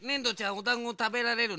おだんごたべられるの？